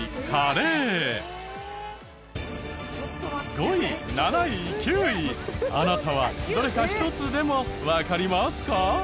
５位７位９位あなたはどれか１つでもわかりますか？